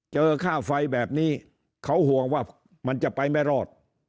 ค่าไฟแบบนี้เขาห่วงว่ามันจะไปไม่รอด